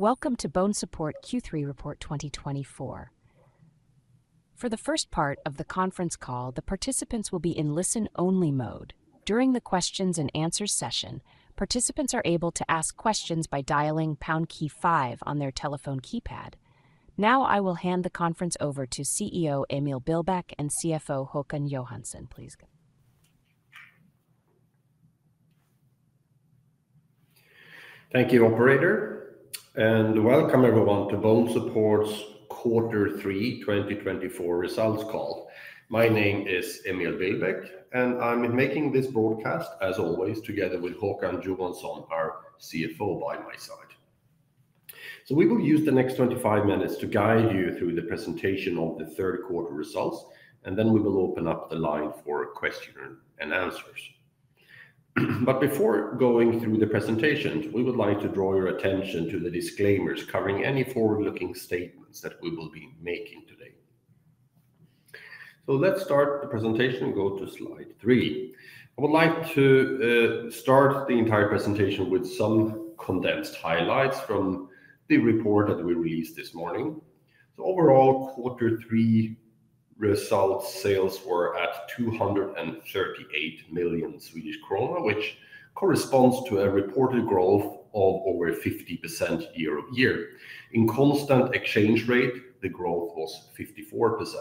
Welcome to BONESUPPORT Q3 Report 2024. For the first part of the conference call, the participants will be in listen-only mode. During the questions and answers session, participants are able to ask questions by dialing pound key five on their telephone keypad. Now, I will hand the conference over to CEO Emil Billbäck and CFO Håkan Johansson, please. Thank you, operator, and welcome everyone to BONESUPPORT's Quarter Three 2024 results call. My name is Emil Billbäck, and I'm making this broadcast, as always, together with Håkan Johansson, our CFO, by my side. So we will use the next 25 minutes to guide you through the presentation of the third quarter results, and then we will open up the line for question and answers. But before going through the presentations, we would like to draw your attention to the disclaimers covering any forward-looking statements that we will be making today. So let's start the presentation and go to slide three. I would like to start the entire presentation with some condensed highlights from the report that we released this morning. So overall, quarter three results, sales were at 238 million Swedish krona, which corresponds to a reported growth of over 50% YoY. In constant exchange rate, the growth was 54%.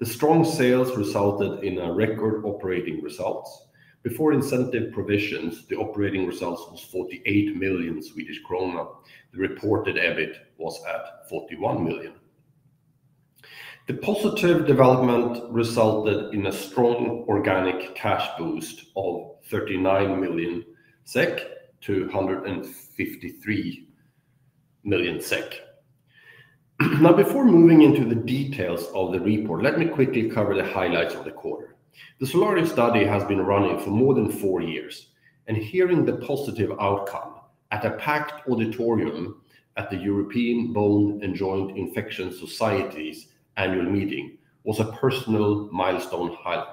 The strong sales resulted in a record operating results. Before incentive provisions, the operating results was 48 million Swedish krona. The reported EBIT was at 41 million. The positive development resulted in a strong organic cash boost of 39 million-153 million SEK. Now, before moving into the details of the report, let me quickly cover the highlights of the quarter. The SOLARIO study has been running for more than four years, and hearing the positive outcome at a packed auditorium at the European Bone and Joint Infection Society's annual meeting was a personal milestone highlight.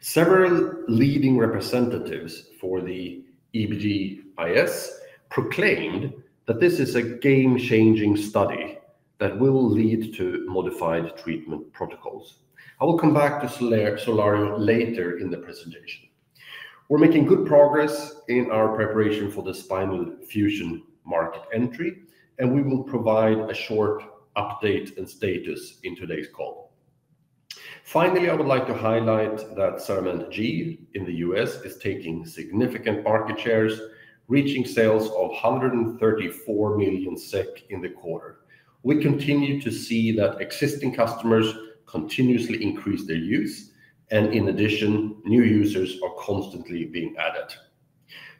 Several leading representatives for the EBJIS proclaimed that this is a game-changing study that will lead to modified treatment protocols. I will come back to SOLARIO later in the presentation. We're making good progress in our preparation for the spinal fusion market entry, and we will provide a short update and status in today's call. Finally, I would like to highlight that CERAMENT G in the U.S. is taking significant market shares, reaching sales of 134 million SEK in the quarter. We continue to see that existing customers continuously increase their use, and in addition, new users are constantly being added.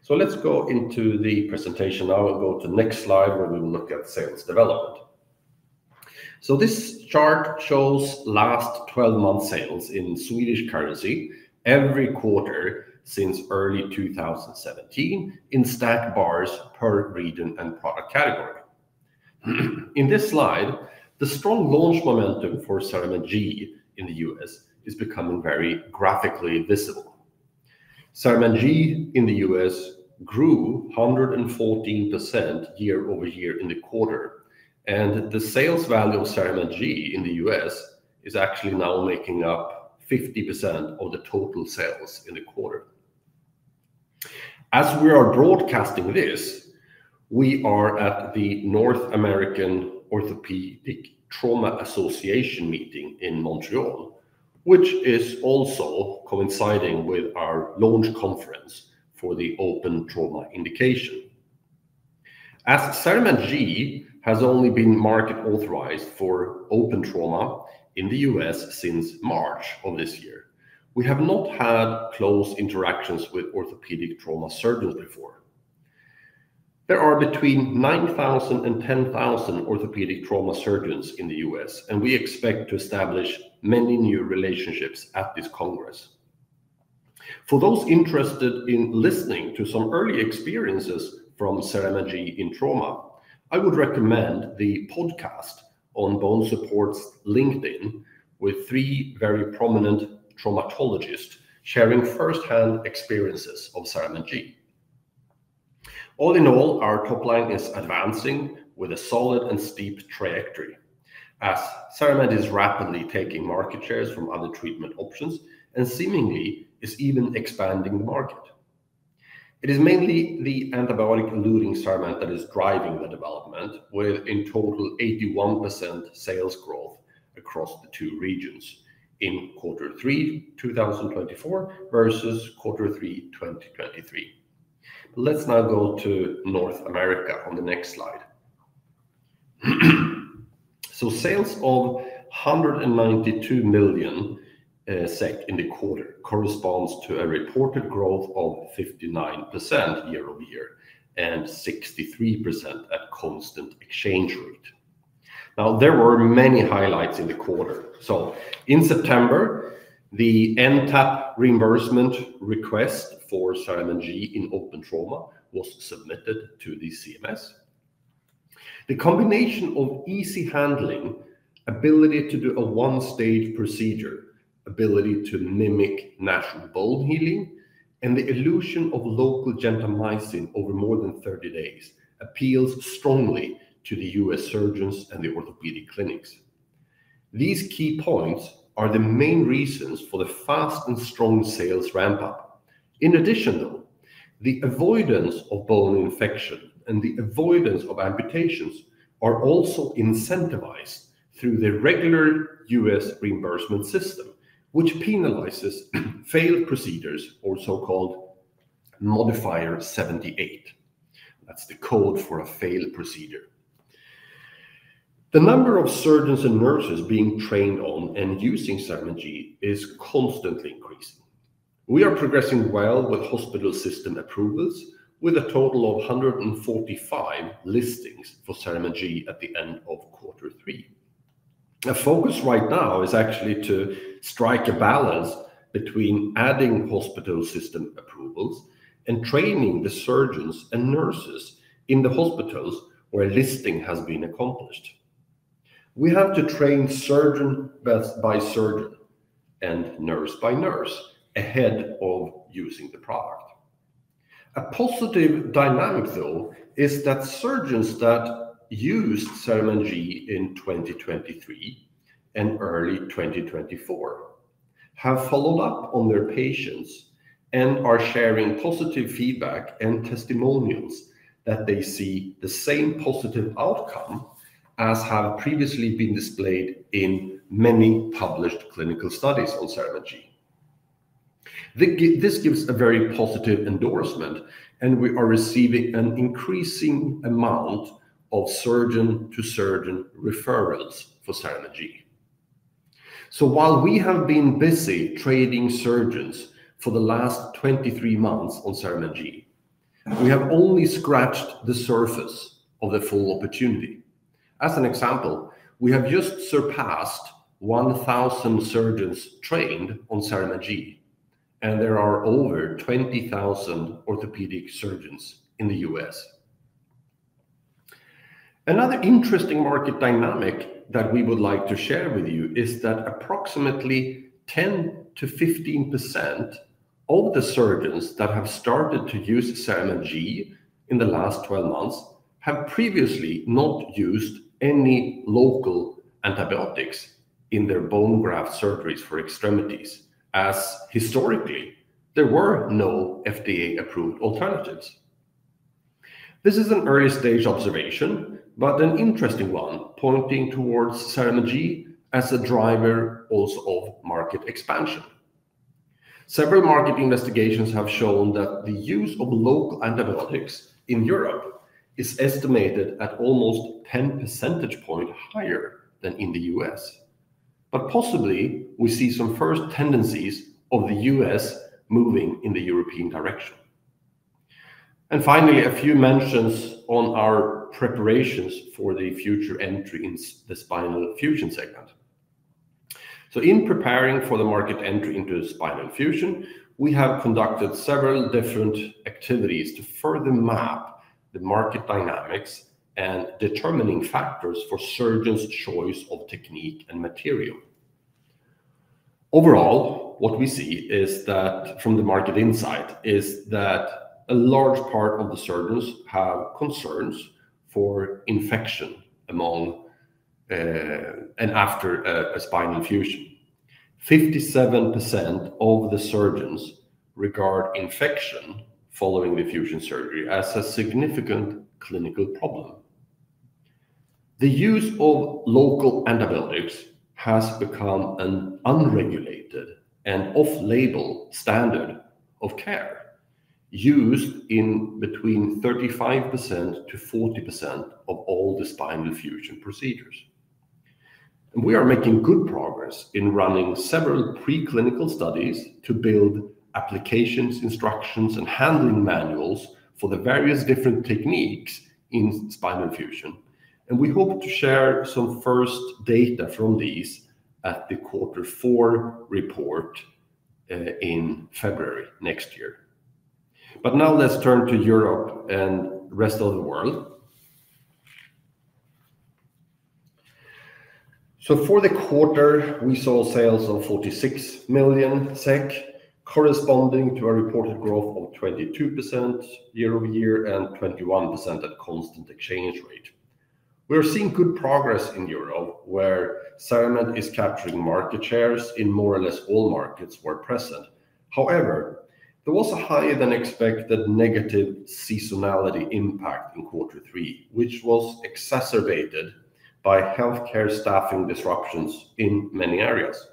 So let's go into the presentation now and go to the next slide, where we will look at sales development. This chart shows last twelve months sales in Swedish currency every quarter since early 2017, in stacked bars per region and product category. In this slide, the strong launch momentum for CERAMENT G in the U.S. is becoming very graphically visible. CERAMENT G in the U.S. grew 114% YoY in the quarter, and the sales value of CERAMENT G in the U.S. is actually now making up 50% of the total sales in the quarter. As we are broadcasting this, we are at the North American Orthopaedic Trauma Association meeting in Montreal, which is also coinciding with our launch conference for the open trauma indication. As CERAMENT G has only been market authorized for open trauma in the U.S. since March of this year, we have not had close interactions with orthopedic trauma surgeons before. There are between 9,000 and 10,000 orthopedic trauma surgeons in the U.S., and we expect to establish many new relationships at this congress. For those interested in listening to some early experiences from CERAMENT G in trauma, I would recommend the podcast on BONESUPPORT's LinkedIn with three very prominent traumatologists sharing firsthand experiences of CERAMENT G. All in all, our top line is advancing with a solid and steep trajectory, as CERAMENT is rapidly taking market shares from other treatment options and seemingly is even expanding the market. It is mainly the antibiotic-eluting CERAMENT that is driving the development, with in total 81% sales growth across the two regions in quarter three, 2024 versus quarter three, 2023. Let's now go to North America on the next slide. Sales of 192 million SEK in the quarter corresponds to a reported growth of 59% YoY and 63% at constant exchange rate. Now, there were many highlights in the quarter. In September, the NTAP reimbursement request for CERAMENT G in open trauma was submitted to the CMS. The combination of easy handling, ability to do a one-stage procedure, ability to mimic natural bone healing, and the elution of local gentamicin over more than 30 days appeals strongly to the US surgeons and the orthopedic clinics. These key points are the main reasons for the fast and strong sales ramp up. In addition, though, the avoidance of bone infection and the avoidance of amputations are also incentivized through the regular US reimbursement system, which penalizes failed procedures, or so-called Modifier 78. That's the code for a failed procedure. The number of surgeons and nurses being trained on and using CERAMENT G is constantly increasing. We are progressing well with hospital system approvals, with a total of 145 listings for CERAMENT G at the end of quarter three. The focus right now is actually to strike a balance between adding hospital system approvals and training the surgeons and nurses in the hospitals where a listing has been accomplished. We have to train surgeon by surgeon and nurse by nurse ahead of using the product. A positive dynamic, though, is that surgeons that used CERAMENT G in 2023 and early 2024 have followed up on their patients and are sharing positive feedback and testimonials that they see the same positive outcome as have previously been displayed in many published clinical studies on CERAMENT G. This gives a very positive endorsement, and we are receiving an increasing amount of surgeon-to-surgeon referrals for CERAMENT G. So while we have been busy training surgeons for the last 23 months on CERAMENT G, we have only scratched the surface of the full opportunity. As an example, we have just surpassed 1,000 surgeons trained on CERAMENT G, and there are over 20,000 orthopedic surgeons in the U.S. Another interesting market dynamic that we would like to share with you is that approximately 10%-15% of the surgeons that have started to use CERAMENT G in the last 12 months have previously not used any local antibiotics in their bone graft surgeries for extremities, as historically, there were no FDA-approved alternatives. This is an early-stage observation, but an interesting one, pointing towards CERAMENT G as a driver also of market expansion. Several market investigations have shown that the use of local antibiotics in Europe is estimated at almost 10 percentage points higher than in the US, but possibly, we see some first tendencies of the US moving in the European direction. Finally, a few mentions on our preparations for the future entry in the spinal fusion segment. In preparing for the market entry into the spinal fusion, we have conducted several different activities to further map the market dynamics and determining factors for surgeons' choice of technique and material. Overall, what we see from the market insight is that a large part of the surgeons have concerns for infection among and after spinal fusion. 57% of the surgeons regard infection following the fusion surgery as a significant clinical problem. The use of local antibiotics has become an unregulated and off-label standard of care, used in 35%-40% of all the spinal fusion procedures. We are making good progress in running several preclinical studies to build applications, instructions, and handling manuals for the various different techniques in spinal fusion. We hope to share some first data from these at the quarter four report in February next year. Now let's turn to Europe and the rest of the world. For the quarter, we saw sales of 46 million SEK, corresponding to a reported growth of 22% YoY and 21% at constant exchange rate. We are seeing good progress in Europe, where CERAMENT is capturing market shares in more or less all markets we're present. However, there was a higher-than-expected negative seasonality impact in quarter three, which was exacerbated by healthcare staffing disruptions in many areas.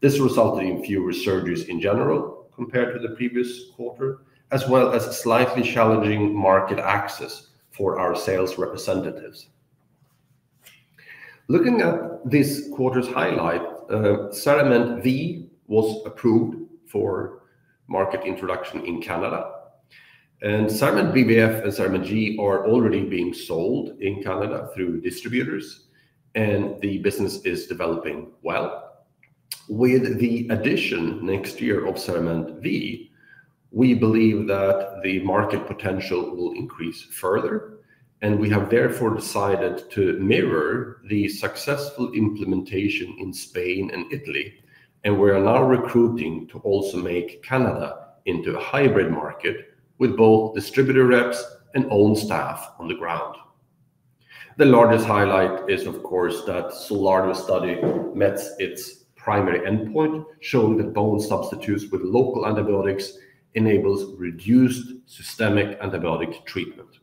This resulted in fewer surgeries in general compared to the previous quarter, as well as slightly challenging market access for our sales representatives. Looking at this quarter's highlight, CERAMENT V was approved for market introduction in Canada, and CERAMENT BVF and CERAMENT G are already being sold in Canada through distributors, and the business is developing well. With the addition next year of CERAMENT V, we believe that the market potential will increase further, and we have therefore decided to mirror the successful implementation in Spain and Italy. We are now recruiting to also make Canada into a hybrid market with both distributor reps and own staff on the ground. The largest highlight is, of course, that SOLARIO study met its primary endpoint, showing that bone substitutes with local antibiotics enables reduced systemic antibiotic treatment.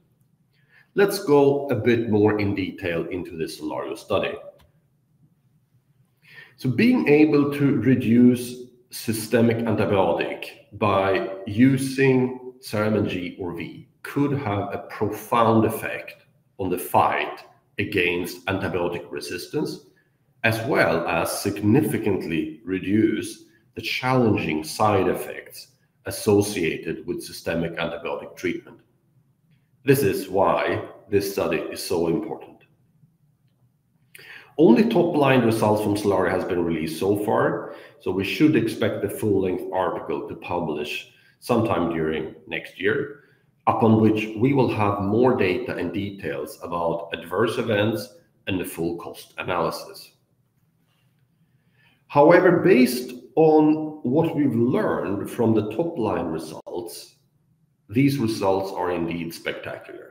Let's go a bit more in detail into the SOLARIO study. So being able to reduce systemic antibiotic by using CERAMENT G or V could have a profound effect on the fight against antibiotic resistance, as well as significantly reduce the challenging side effects associated with systemic antibiotic treatment. This is why this study is so important. Only top-line results from SOLARIO has been released so far, so we should expect the full-length article to publish sometime during next year, upon which we will have more data and details about adverse events and the full cost analysis. However, based on what we've learned from the top-line results, these results are indeed spectacular.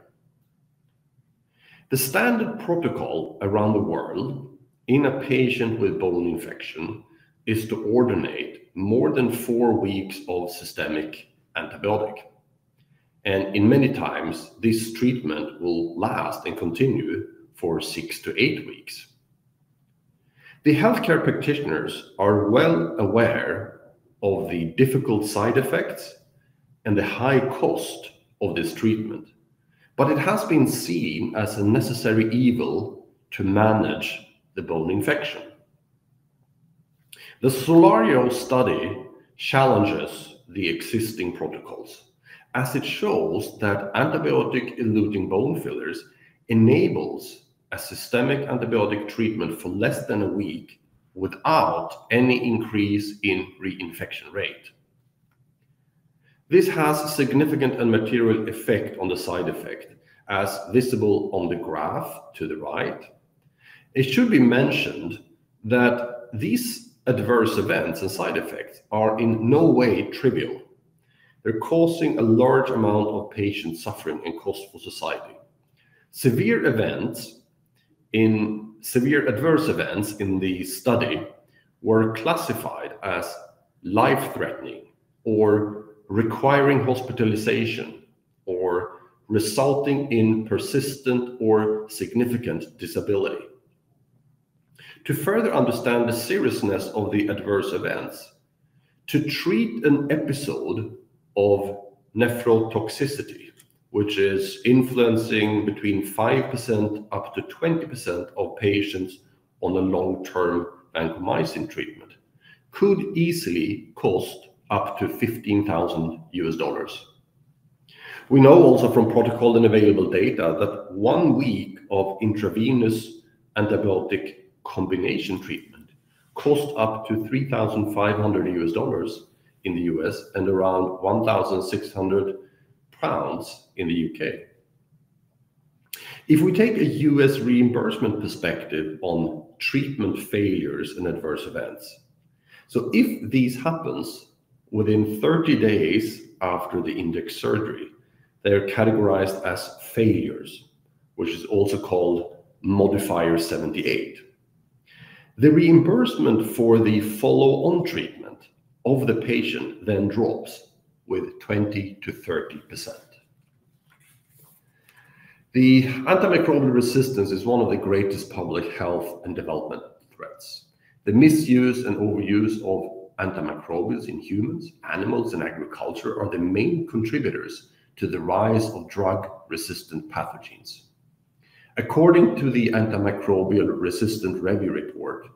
The standard protocol around the world in a patient with bone infection is to administer more than four weeks of systemic antibiotic, and in many cases, this treatment will last and continue for six to eight weeks. The healthcare practitioners are well aware of the difficult side effects and the high cost of this treatment, but it has been seen as a necessary evil to manage the bone infection. The SOLARIO study challenges the existing protocols, as it shows that antibiotic-eluting bone fillers enables a systemic antibiotic treatment for less than a week without any increase in reinfection rate. This has significant and material effect on the side effect, as visible on the graph to the right. It should be mentioned that these adverse events and side effects are in no way trivial. They're causing a large amount of patient suffering and cost for society. Severe adverse events in the study were classified as life-threatening, or requiring hospitalization, or resulting in persistent or significant disability. To further understand the seriousness of the adverse events, to treat an episode of nephrotoxicity, which is influencing between 5%-20% of patients on a long-term vancomycin treatment, could easily cost up to $15,000. We know also from protocol and available data that one week of intravenous antibiotic combination treatment cost up to $3,500 in the U.S., and around 1,600 pounds in the U.K. If we take a U.S. reimbursement perspective on treatment failures and adverse events, so if this happens within 30 days after the index surgery, they are categorized as failures, which is also called Modifier 78. The reimbursement for the follow-on treatment of the patient then drops with 20%-30%. The antimicrobial resistance is one of the greatest public health and development threats. The misuse and overuse of antimicrobials in humans, animals, and agriculture are the main contributors to the rise of drug-resistant pathogens. According to the Antimicrobial Resistance Review report,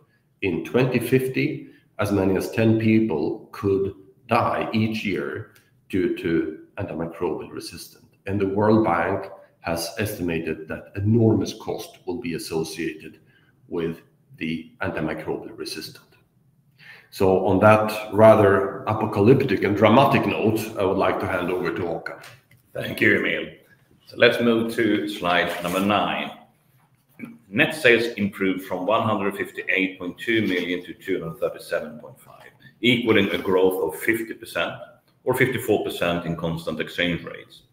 in 2050, as many as 10 people could die each year due to antimicrobial resistance, and the World Bank has estimated that enormous cost will be associated with the antimicrobial resistance. So on that rather apocalyptic and dramatic note, I would like to hand over to Håkan. Thank you, Emil. Let's move to slide number 9. Net sales improved from 158.2 million-237.5 million, equaling a growth of 50%, or 54% in constant exchange rates.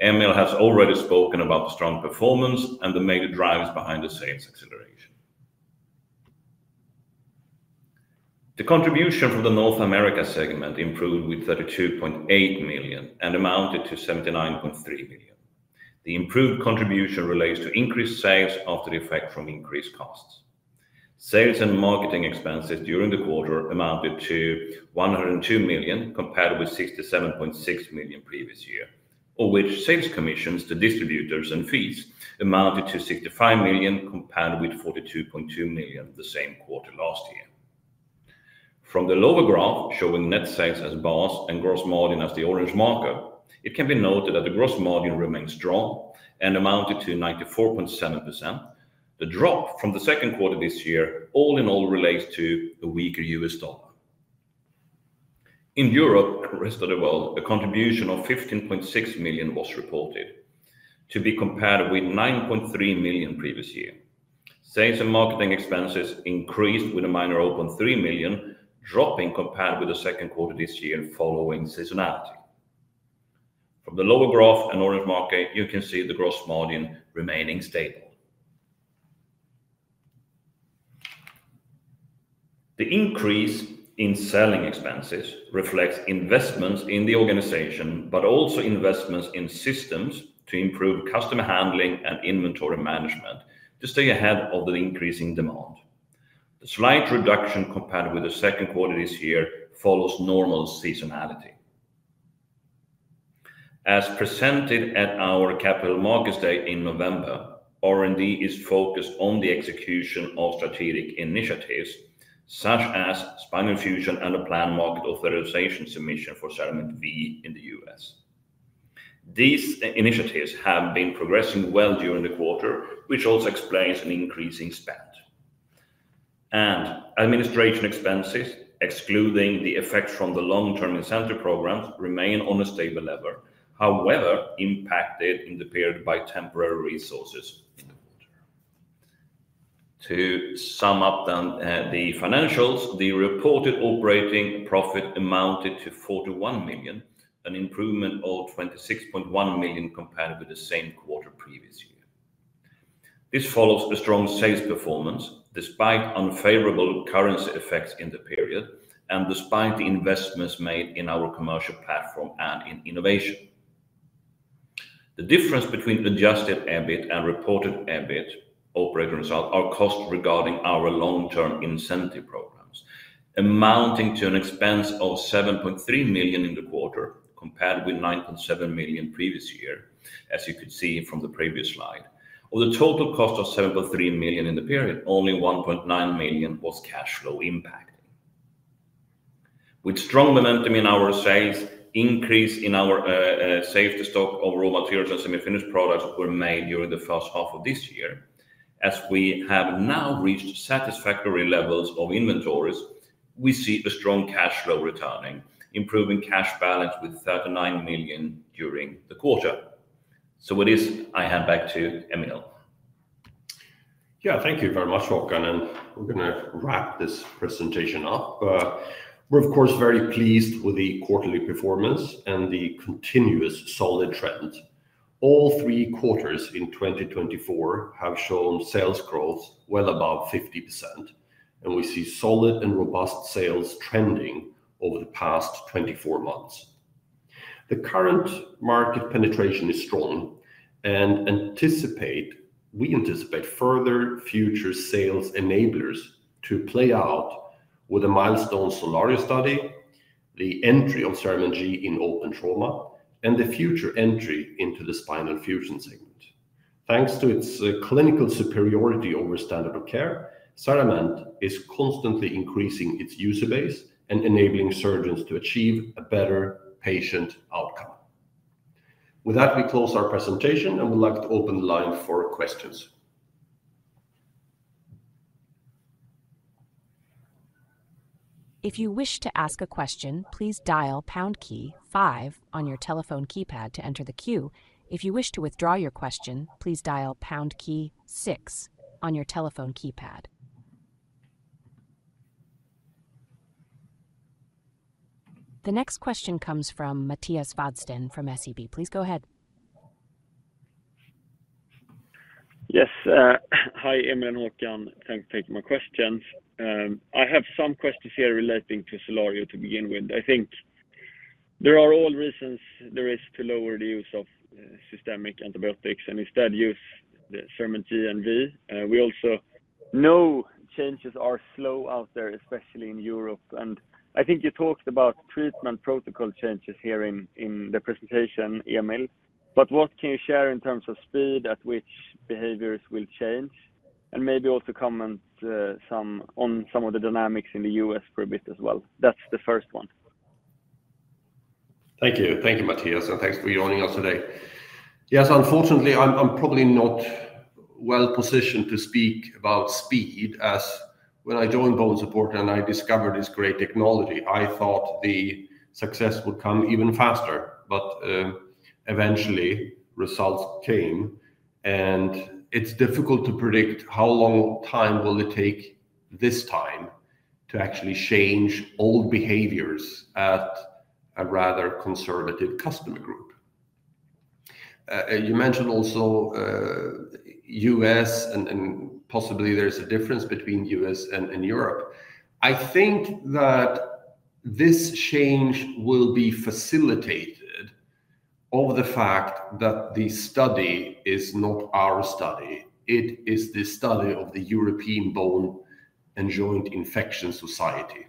Emil has already spoken about the strong performance and the major drivers behind the sales acceleration. The contribution from the North America segment improved with 32.8 million and amounted to 79.3 million. The improved contribution relates to increased sales after the effect from increased costs. Sales and marketing expenses during the quarter amounted to 102 million, compared with 67.6 million previous year, of which sales commissions to distributors and fees amounted to 65 million, compared with 42.2 million the same quarter last year. From the lower graph showing net sales as bars and gross margin as the orange marker, it can be noted that the gross margin remains strong and amounted to 94.7%. The drop from the second quarter this year, all in all, relates to a weaker U.S. dollar. In Europe and the rest of the world, a contribution of 15.6 million was reported, to be compared with 9.3 million previous year. Sales and marketing expenses increased by 3 million, dropping compared with the second quarter this year and following seasonality. From the lower graph in orange marker, you can see the gross margin remaining stable. The increase in selling expenses reflects investments in the organization, but also investments in systems to improve customer handling and inventory management to stay ahead of the increasing demand. The slight reduction compared with the second quarter this year follows normal seasonality. As presented at our capital markets day in November, R&D is focused on the execution of strategic initiatives, such as spinal fusion and a planned market authorization submission for CERAMENT V in the U.S. These initiatives have been progressing well during the quarter, which also explains an increasing spend. And administration expenses, excluding the effect from the long-term incentive programs, remain on a stable level. However, impacted in the period by temporary resources. To sum up then, the financials, the reported operating profit amounted to 41 million, an improvement of 26.1 million compared with the same quarter previous year. This follows a strong sales performance, despite unfavorable currency effects in the period and despite the investments made in our commercial platform and in innovation. The difference between Adjusted EBIT and reported EBIT operating result are costs regarding our long-term incentive programs, amounting to an expense of 7.3 million in the quarter, compared with 9.7 million previous year. As you could see from the previous slide. Of the total cost of 7.3 million in the period, only 1.9 million was cash flow impact. With strong momentum in our sales, increase in our safety stock of raw materials and semi-finished products were made during the first half of this year. As we have now reached satisfactory levels of inventories, we see a strong cash flow returning, improving cash balance with 39 million during the quarter. So with this, I hand back to Emil. Yeah, thank you very much, Håkan, and we're going to wrap this presentation up. We're, of course, very pleased with the quarterly performance and the continuous solid trend. All three quarters in 2024 have shown sales growth well above 50%, and we see solid and robust sales trending over the past 24 months. The current market penetration is strong and we anticipate further future sales enablers to play out with a milestone scenario study, the entry of CERAMENT G in open trauma, and the future entry into the spinal fusion segment. Thanks to its clinical superiority over standard of care, CERAMENT is constantly increasing its user base and enabling surgeons to achieve a better patient outcome. With that, we close our presentation, and we'd like to open the line for questions. If you wish to ask a question, please dial pound key five on your telephone keypad to enter the queue. If you wish to withdraw your question, please dial pound key six on your telephone keypad. The next question comes from Mattias Vadsten from SEB. Please go ahead. Yes, hi, Emil and Håkan. Thank you for taking my questions. I have some questions here relating to SOLARIO to begin with. I think there are all reasons there is to lower the use of systemic antibiotics and instead use the CERAMENT G and V. We also know changes are slow out there, especially in Europe, and I think you talked about treatment protocol changes here in the presentation, Emil, but what can you share in terms of speed at which behaviors will change? And maybe also comment on some of the dynamics in the U.S. for a bit as well. That's the first one. Thank you. Thank you, Mattias, and thanks for joining us today. Yes, unfortunately, I'm probably not well positioned to speak about speed, as when I joined BONESUPPORT and I discovered this great technology, I thought the success would come even faster. But eventually, results came, and it's difficult to predict how long time will it take this time to actually change old behaviors at a rather conservative customer group. You mentioned also U.S., and possibly there's a difference between U.S. and Europe. I think that this change will be facilitated over the fact that the study is not our study. It is the study of the European Bone and Joint Infection Society,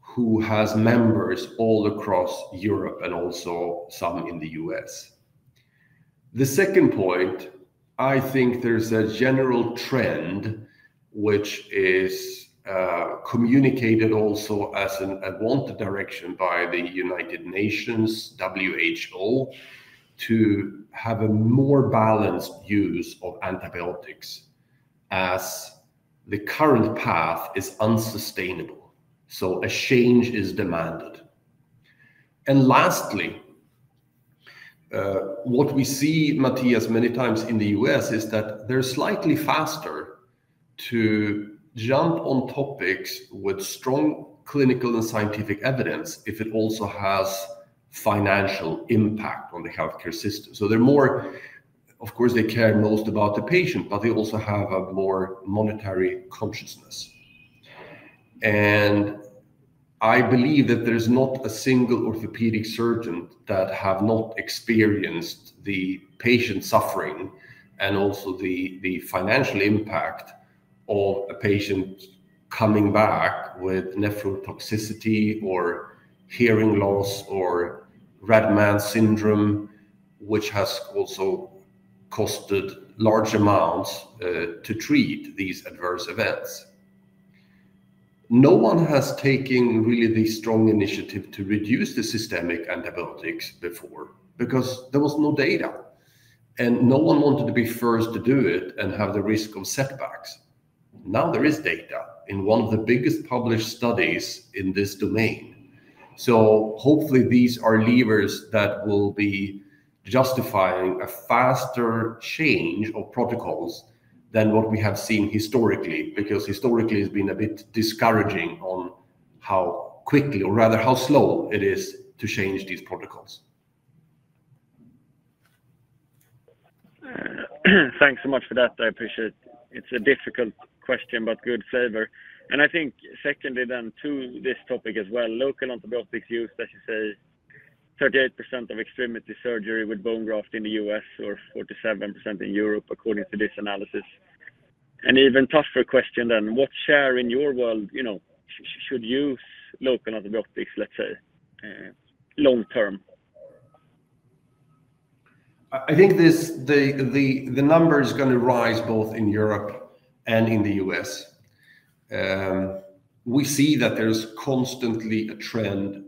who has members all across Europe and also some in the U.S. The second point, I think there's a general trend, which is, communicated also as an unwanted direction by the United Nations, WHO, to have a more balanced use of antibiotics, the current path is unsustainable, so a change is demanded. And lastly, what we see, Mattias, many times in the U.S., is that they're slightly faster to jump on topics with strong clinical and scientific evidence if it also has financial impact on the healthcare system. So they're more of course, they care most about the patient, but they also have a more monetary consciousness. And I believe that there's not a single orthopedic surgeon that have not experienced the patient suffering, and also the financial impact of a patient coming back with nephrotoxicity, or hearing loss, or Red Man syndrome, which has also costed large amounts to treat these adverse events. No one has taken really the strong initiative to reduce the systemic antibiotics before, because there was no data, and no one wanted to be first to do it and have the risk of setbacks. Now, there is data in one of the biggest published studies in this domain. So hopefully, these are levers that will be justifying a faster change of protocols than what we have seen historically, because historically, it's been a bit discouraging on how quickly, or rather, how slow it is to change these protocols. Thanks so much for that. I appreciate. It's a difficult question, but good flavor. And I think secondly, then, to this topic as well, local antibiotics use, let's just say 38% of extremity surgery with bone graft in the U.S., or 47% in Europe, according to this analysis. An even tougher question then, what share in your world, you know, should use local antibiotics, let's say, long term? I think the number is gonna rise both in Europe and in the US. We see that there's constantly a trend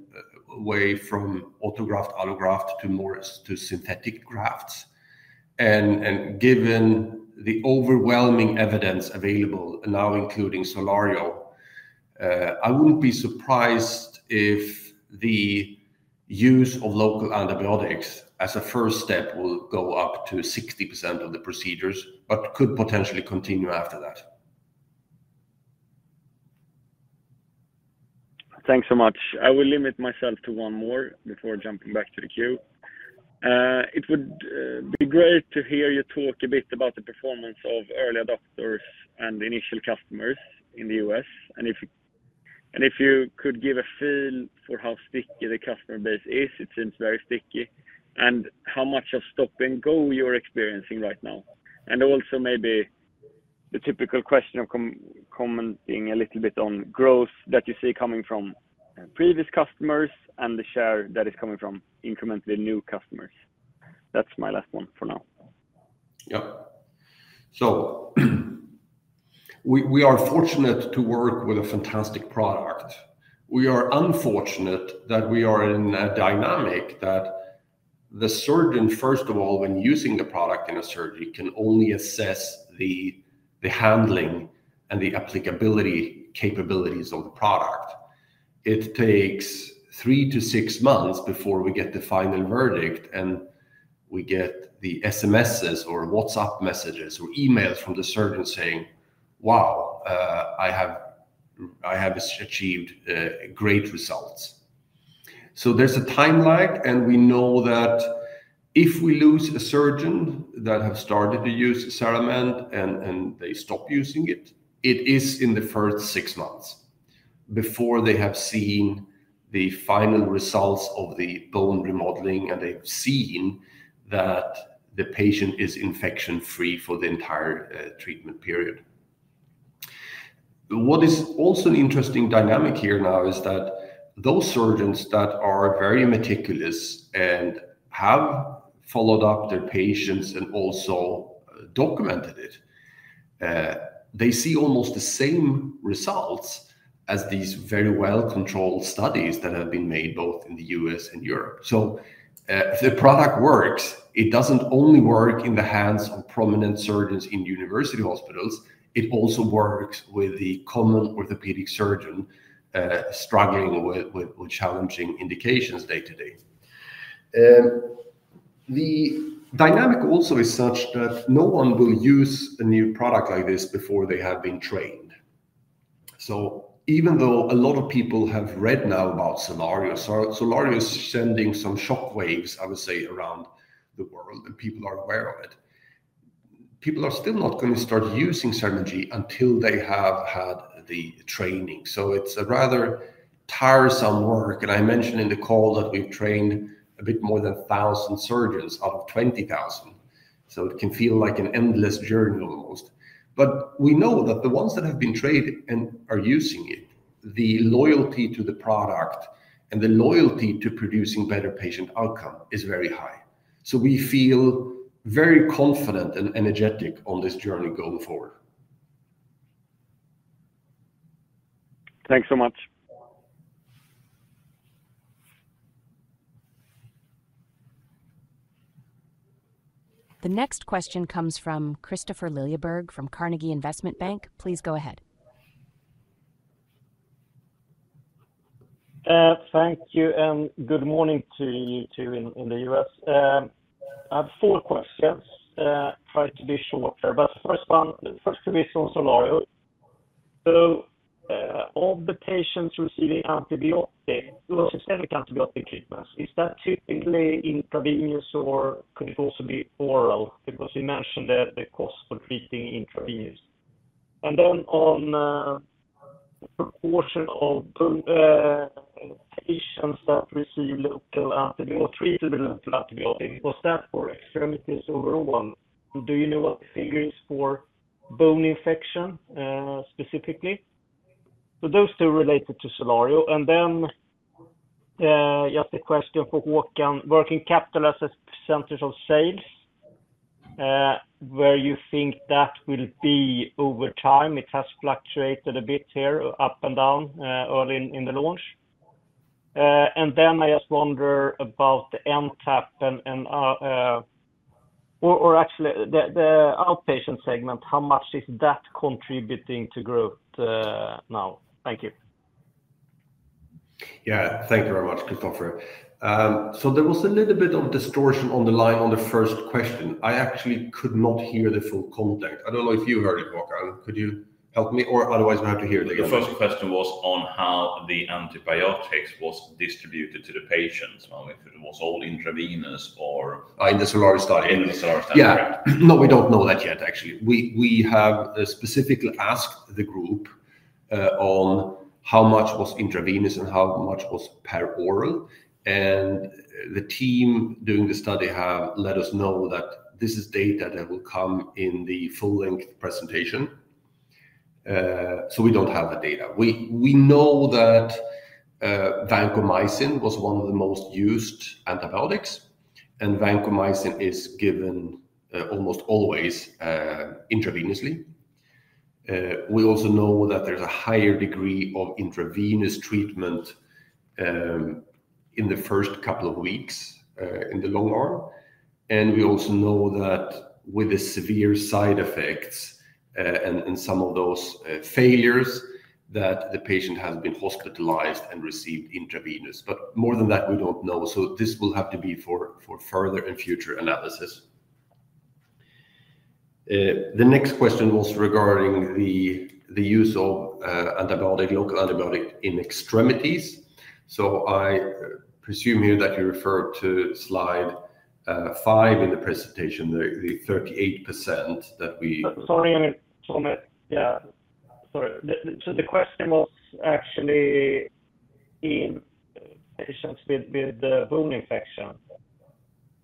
away from autograft, allograft to more to synthetic grafts. And given the overwhelming evidence available now, including SOLARIO, I wouldn't be surprised if the use of local antibiotics as a first step will go up to 60% of the procedures, but could potentially continue after that. Thanks so much. I will limit myself to one more before jumping back to the queue. It would be great to hear you talk a bit about the performance of early adopters and the initial customers in the U.S. And if you could give a feel for how sticky the customer base is, it seems very sticky, and how much of stop-and-go you're experiencing right now. And also, maybe the typical question of commenting a little bit on growth that you see coming from previous customers and the share that is coming from incrementally new customers. That's my last one for now. Yeah. So we are fortunate to work with a fantastic product. We are unfortunate that we are in a dynamic that the surgeon, first of all, when using the product in a surgery, can only assess the handling and the applicability capabilities of the product. It takes three to six months before we get the final verdict, and we get the SMSs, or WhatsApp messages, or emails from the surgeon saying, "Wow, I have achieved great results." So there's a time lag, and we know that if we lose a surgeon that have started to use CERAMENT and they stop using it, it is in the first six months, before they have seen the final results of the bone remodeling, and they've seen that the patient is infection-free for the entire treatment period. What is also an interesting dynamic here now is that those surgeons that are very meticulous and have followed up their patients and also documented it, they see almost the same results as these very well-controlled studies that have been made both in the U.S. and Europe. So, if the product works, it doesn't only work in the hands of prominent surgeons in university hospitals, it also works with the common orthopedic surgeon struggling with challenging indications day to day. The dynamic also is such that no one will use a new product like this before they have been trained. So even though a lot of people have read now about SOLARIO, SOLARIO is sending some shock waves, I would say, around the world, and people are aware of it. People are still not going to start using CERAMENT G until they have had the training, so it's a rather tiresome work, and I mentioned in the call that we've trained a bit more than 1,000 surgeons out of 20,000, so it can feel like an endless journey, almost, but we know that the ones that have been trained and are using it, the loyalty to the product and the loyalty to producing better patient outcome is very high, so we feel very confident and energetic on this journey going forward. Thanks so much. ... The next question comes from Kristofer Liljeberg from Carnegie Investment Bank. Please go ahead. Thank you, and good morning to you, too, in the US. I have four questions. I'll try to be shorter, but first one, first the SOLARIO. So, of the patients receiving antibiotic, systemic antibiotic treatments, is that typically intravenous, or could it also be oral? Because you mentioned that the cost for treating intravenous. And then on the proportion of patients that receive local antibiotic treatment, antibiotic, was that for extremities overall? Do you know what the figure is for bone infection, specifically? So those two related to SOLARIO. And then, just a question for Håkan. Working capital as a percentage of sales, where you think that will be over time? It has fluctuated a bit here, up and down, early in the launch. And then I just wonder about the NTAP, or actually, the outpatient segment, how much is that contributing to growth now? Thank you. Yeah. Thank you very much, Kristofer. So there was a little bit of distortion on the line on the first question. I actually could not hear the full content. I don't know if you heard it, Håkan. Could you help me, or otherwise, I'm going to hear it again. The first question was on how the antibiotics was distributed to the patients, if it was all intravenous or- In the SOLARIO study. In the SOLARIO study. Yeah. No, we don't know that yet, actually. We have specifically asked the group on how much was intravenous and how much was per oral, and the team doing the study have let us know that this is data that will come in the full-length presentation. So we don't have the data. We know that vancomycin was one of the most used antibiotics, and vancomycin is given almost always intravenously. We also know that there's a higher degree of intravenous treatment in the first couple of weeks in the long arm. And we also know that with the severe side effects and some of those failures, that the patient has been hospitalized and received intravenous. But more than that, we don't know, so this will have to be for further and future analysis. The next question was regarding the use of antibiotic, local antibiotic in extremities. So I presume here that you refer to slide five in the presentation, the 38% that we- Sorry, I mean, trauma. Yeah. Sorry. So the question was actually in patients with the bone infection.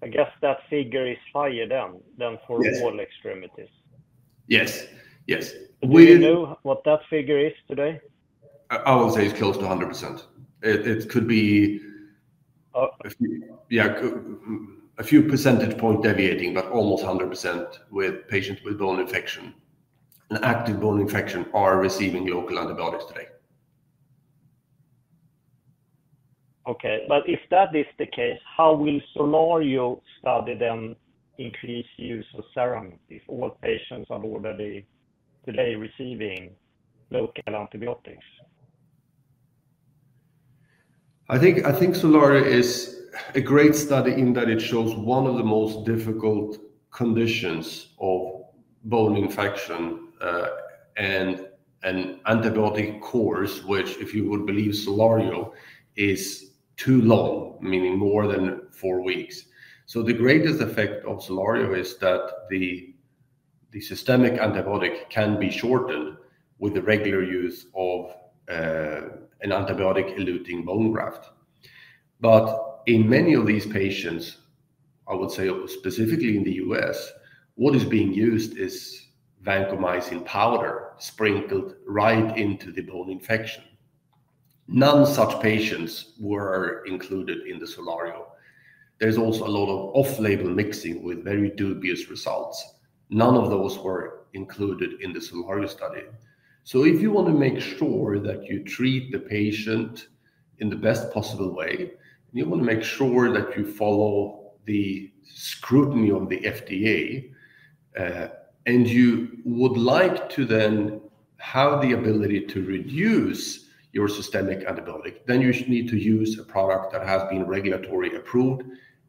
I guess that figure is higher than for- Yes... all extremities. Yes. Yes. We- Do you know what that figure is today? I would say it's close to 100%. It could be- Oh. A few percentage points deviating, but almost 100% with patients with bone infection. An active bone infection are receiving local antibiotics today. Okay, but if that is the case, how will the SOLARIO study then increase use of CERAMENT if all patients are already today receiving local antibiotics? I think SOLARIO is a great study in that it shows one of the most difficult conditions of bone infection and an antibiotic course, which, if you would believe SOLARIO, is too long, meaning more than four weeks, so the greatest effect of SOLARIO is that the systemic antibiotic can be shortened with the regular use of an antibiotic eluting bone graft, but in many of these patients, I would say specifically in the U.S., what is being used is vancomycin powder sprinkled right into the bone infection. No such patients were included in the SOLARIO. There's also a lot of off-label mixing with very dubious results. None of those were included in the SOLARIO study. So if you want to make sure that you treat the patient in the best possible way, you want to make sure that you follow the scrutiny of the FDA, and you would like to then have the ability to reduce your systemic antibiotic, then you need to use a product that has been regulatory approved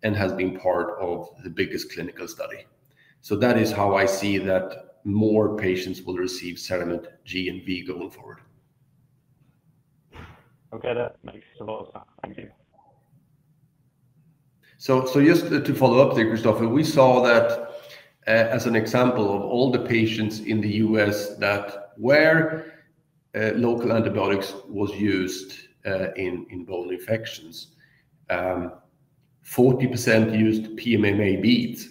and has been part of the biggest clinical study. So that is how I see that more patients will receive CERAMENT G and V going forward. Okay, that makes a lot of sense. Thank you. Just to follow up there, Kristofer, we saw that as an example of all the patients in the US that were local antibiotics was used in bone infections, 40% used PMMA beads,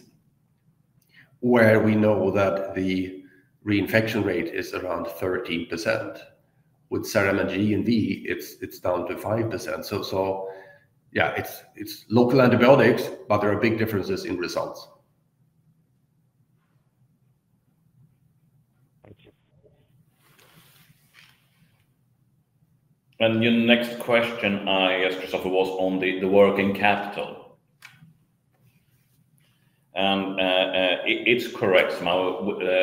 where we know that the reinfection rate is around 13%. With CERAMENT G and V, it's down to 5%. Yeah, it's local antibiotics, but there are big differences in results. Thank you.... Your next question, yes, Kristofer, was on the working capital. It's correct. Now,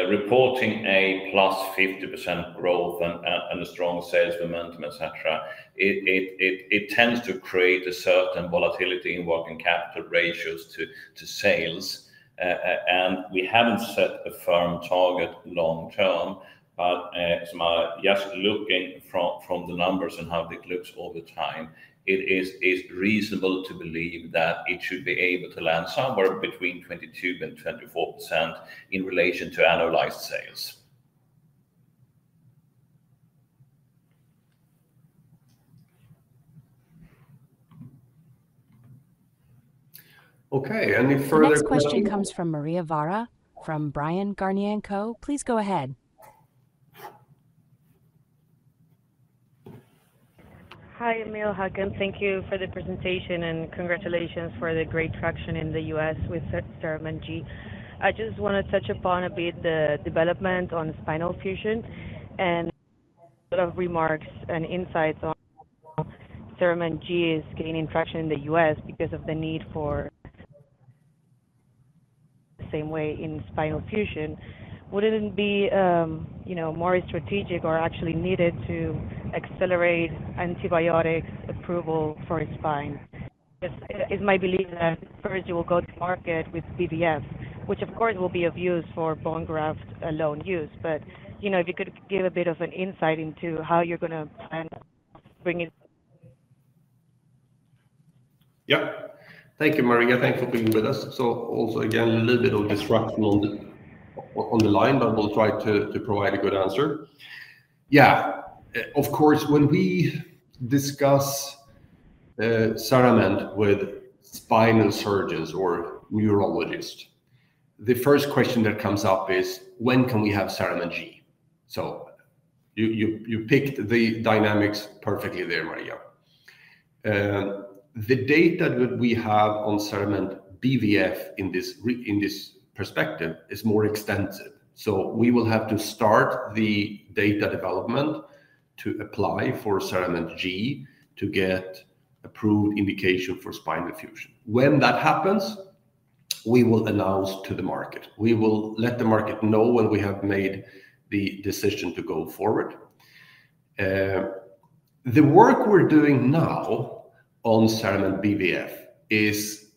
reporting a plus 50% growth and a strong sales momentum, et cetera, it tends to create a certain volatility in working capital ratios to sales. We haven't set a firm target long term, but as I'm just looking from the numbers and how it looks all the time, it is reasonable to believe that it should be able to land somewhere between 22% and 24% in relation to annualized sales. Okay, any further question? The next question comes from Maria Vara, from Bryan, Garnier & Co. Please go ahead. Hi, Emil Billbäck. Thank you for the presentation, and congratulations for the great traction in the U.S. with CERAMENT G. I just wanna touch upon a bit the development on spinal fusion and sort of remarks and insights on CERAMENT G is gaining traction in the U.S. because of the need for the same way in spinal fusion. Wouldn't it be, you know, more strategic or actually needed to accelerate antibiotics approval for a spine? Because it's my belief that first you will go to market with BVF, which of course, will be of use for bone graft alone use. But, you know, if you could give a bit of an insight into how you're gonna plan on bringing? Yeah. Thank you, Maria. Thanks for being with us. So also, again, a little bit of disruption on the line, but we'll try to provide a good answer. Yeah. Of course, when we discuss CERAMENT with spinal surgeons or neurologists, the first question that comes up is, when can we have CERAMENT G? So you picked the dynamics perfectly there, Maria. The data that we have on CERAMENT BVF in this perspective is more extensive. So we will have to start the data development to apply for CERAMENT G to get approved indication for spinal fusion. When that happens, we will announce to the market. We will let the market know when we have made the decision to go forward. The work we're doing now on CERAMENT BVF is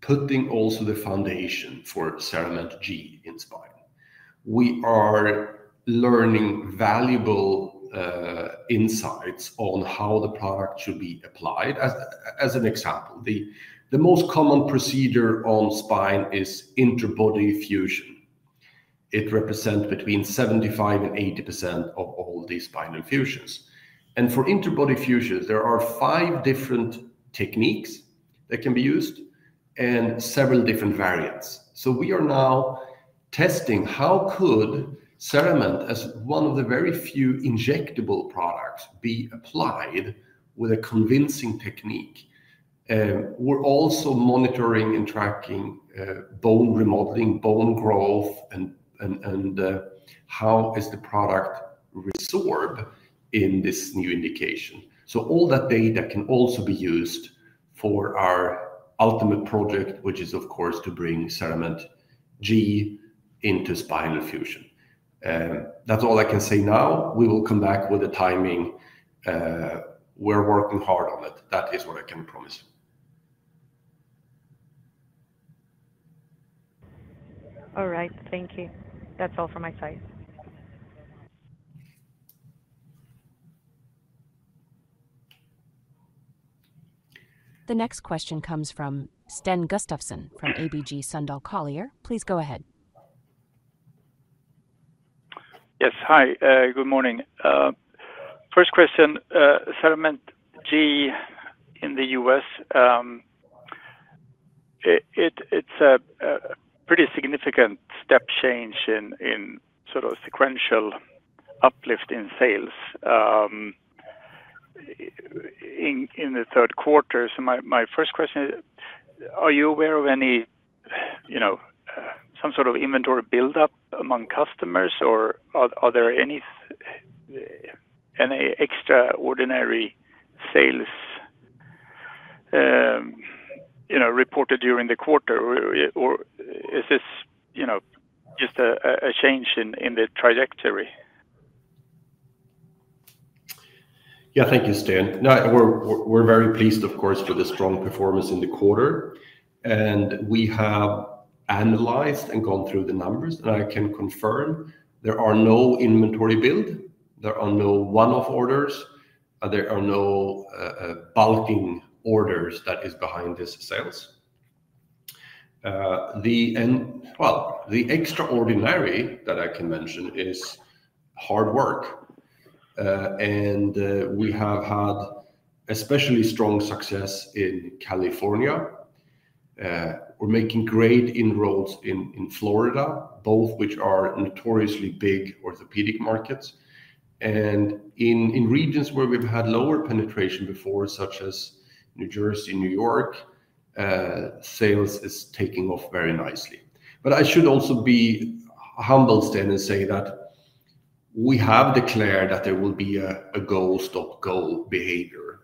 putting also the foundation for CERAMENT G in spine. We are learning valuable insights on how the product should be applied. As an example, the most common procedure on spine is interbody fusion. It represents between 75% and 80% of all the spinal fusions. And for interbody fusion, there are five different techniques that can be used and several different variants. So we are now testing how could CERAMENT, as one of the very few injectable products, be applied with a convincing technique. We're also monitoring and tracking bone remodeling, bone growth, and how is the product reabsorbed in this new indication. So all that data can also be used for our ultimate project, which is, of course, to bring CERAMENT G into spinal fusion. That's all I can say now. We will come back with the timing. We're working hard on it. That is what I can promise. All right. Thank you. That's all from my side. The next question comes from Sten Gustafsson, from ABG Sundal Collier. Please go ahead. Yes. Hi, good morning. First question, CERAMENT G in the U.S., it's a pretty significant step change in sort of sequential uplift in sales in the third quarter. So my first question is, are you aware of any, you know, some sort of inventory buildup among customers, or are there any any extraordinary sales, you know, reported during the quarter? Or is this, you know, just a change in the trajectory? Yeah, thank you, Sten. No, we're very pleased, of course, for the strong performance in the quarter, and we have analyzed and gone through the numbers, and I can confirm there are no inventory build, there are no one-off orders, there are no bulking orders that is behind this sales. Well, the extraordinary that I can mention is hard work. And we have had especially strong success in California. We're making great inroads in Florida, both which are notoriously big orthopedic markets. And in regions where we've had lower penetration before, such as New Jersey and New York, sales is taking off very nicely. But I should also be humble, Sten, and say that we have declared that there will be a go stop, go behavior.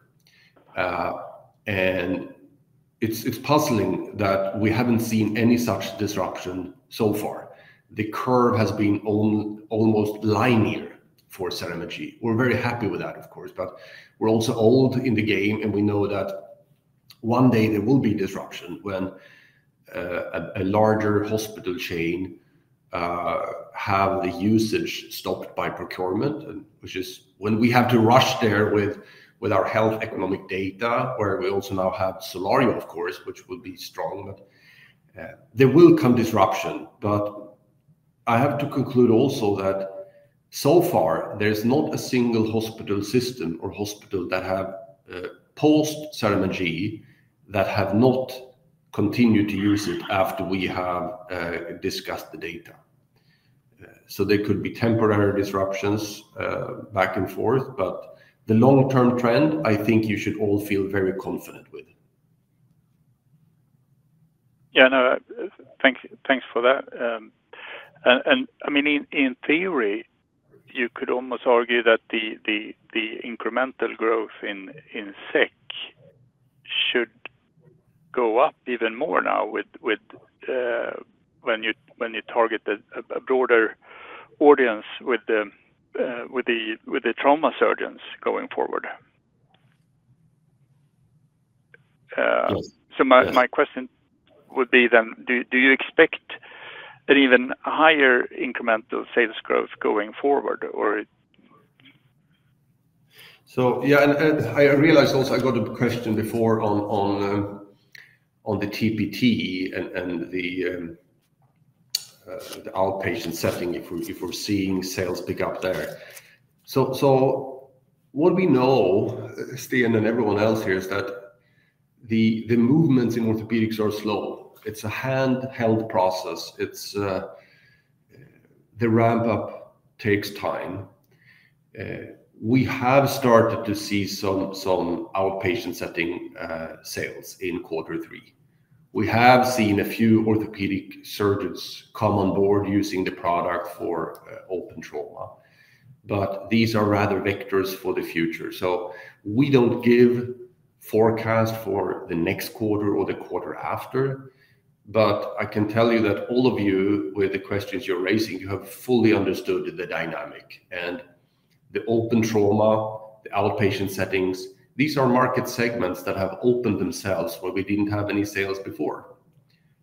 It's puzzling that we haven't seen any such disruption so far. The curve has been almost linear for CERAMENT G. We're very happy with that, of course, but we're also old in the game, and we know that one day there will be disruption when a larger hospital chain have the usage stopped by procurement, and which is when we have to rush there with our health economic data, where we also now have SOLARIO, of course, which will be strong, but there will come disruption, but I have to conclude also that so far, there's not a single hospital system or hospital that have paused CERAMENT G that have not continued to use it after we have discussed the data. So there could be temporary disruptions, back and forth, but the long-term trend, I think you should all feel very confident with. Yeah, I know. Thank you. Thanks for that. And I mean, in theory, you could almost argue that the incremental growth in SEK should go up even more now with when you target a broader audience with the trauma surgeons going forward. Yes. So my question would be then, do you expect an even higher incremental sales growth going forward, or...? So, I realized also I got a question before on the TPT and the outpatient setting, if we're seeing sales pick up there. So what we know, Sten, and everyone else here, is that the movements in orthopedics are slow. It's a handheld process. The ramp up takes time. We have started to see some outpatient setting sales in quarter three. We have seen a few orthopedic surgeons come on board using the product for open trauma, but these are rather vectors for the future. So we don't give forecast for the next quarter or the quarter after, but I can tell you that all of you, with the questions you're raising, you have fully understood the dynamic. The open trauma, the outpatient settings, these are market segments that have opened themselves, where we didn't have any sales before,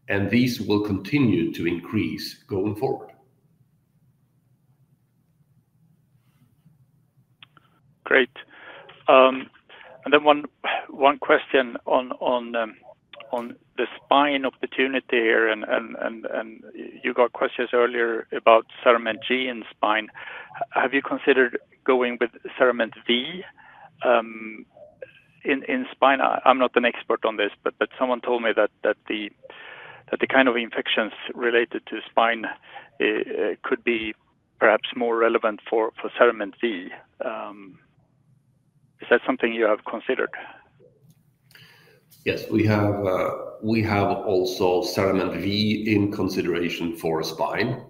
and these will continue to increase going forward. Great, and then one question on the spine opportunity here, and you got questions earlier about CERAMENT G and spine. Have you considered going with CERAMENT V in spine? I'm not an expert on this, but someone told me that the kind of infections related to spine could be perhaps more relevant for CERAMENT V. Is that something you have considered? Yes, we have also CERAMENT V in consideration for spine.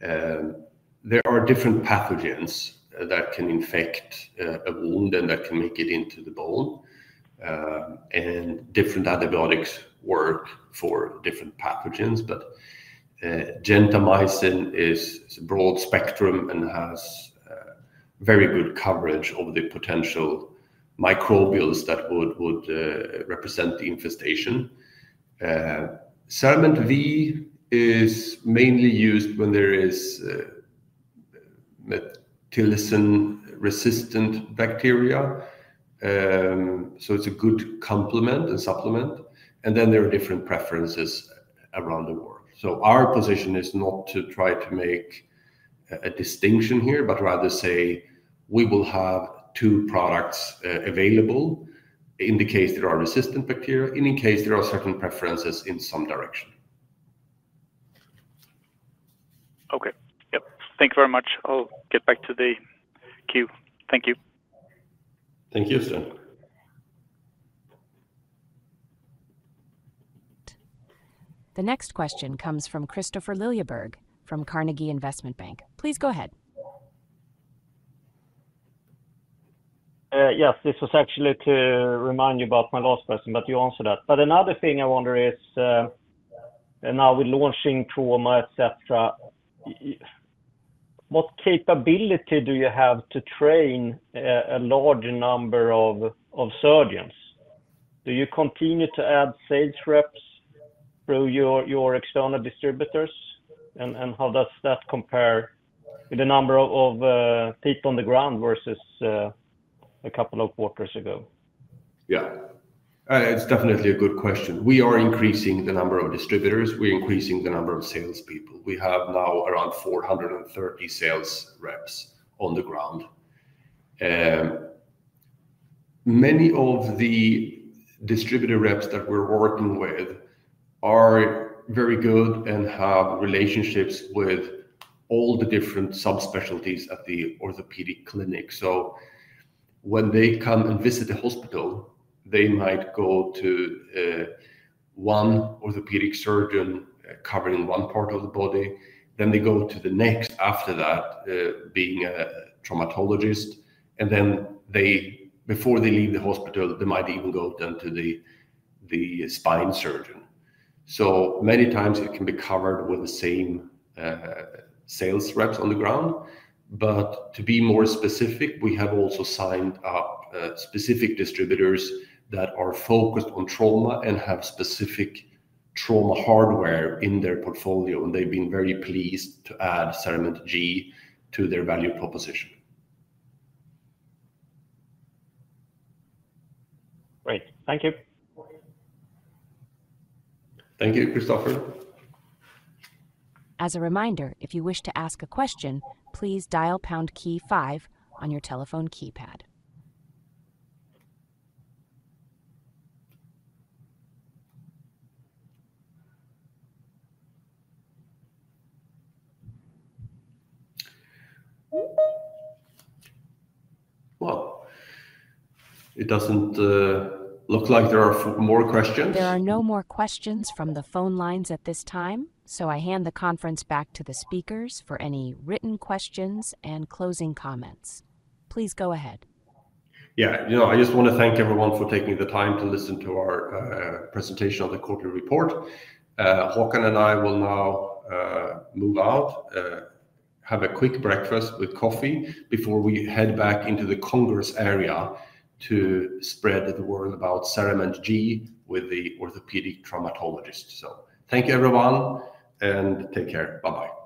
There are different pathogens that can infect a wound and that can make it into the bone. Different antibiotics work for different pathogens, but gentamicin is broad spectrum and has very good coverage of the potential microbials that would represent the infestation. CERAMENT V is mainly used when there is methicillin-resistant bacteria. It's a good complement and supplement, and then there are different preferences around the world. Our position is not to try to make a distinction here, but rather say, we will have two products available in the case there are resistant bacteria, and in case there are certain preferences in some direction. Okay. Yep. Thank you very much. I'll get back to the queue. Thank you. Thank you, Sten. The next question comes from Kristofer Liljeberg, from Carnegie Investment Bank. Please go ahead. Yes, this was actually to remind you about my last question, but you answered that. But another thing I wonder is, now with launching trauma, et cetera, what capability do you have to train a large number of surgeons? Do you continue to add sales reps through your external distributors? And how does that compare with the number of feet on the ground versus a couple of quarters ago? Yeah. It's definitely a good question. We are increasing the number of distributors. We're increasing the number of salespeople. We have now around 430 sales reps on the ground. Many of the distributor reps that we're working with are very good and have relationships with all the different subspecialties at the orthopedic clinic. So when they come and visit the hospital, they might go to one orthopedic surgeon covering one part of the body, then they go to the next after that, being a traumatologist, and then they, before they leave the hospital, they might even go down to the spine surgeon. So many times it can be covered with the same sales reps on the ground. But to be more specific, we have also signed up specific distributors that are focused on trauma and have specific trauma hardware in their portfolio, and they've been very pleased to add CERAMENT G to their value proposition. Great. Thank you. Thank you, Kristofer. As a reminder, if you wish to ask a question, please dial pound key five on your telephone keypad. It doesn't look like there are more questions. There are no more questions from the phone lines at this time, so I hand the conference back to the speakers for any written questions and closing comments. Please go ahead. Yeah. You know, I just want to thank everyone for taking the time to listen to our presentation of the quarterly report. Håkan and I will now move out, have a quick breakfast with coffee before we head back into the congress area to spread the word about CERAMENT G with the orthopedic traumatologist. So thank you, everyone, and take care. Bye-bye.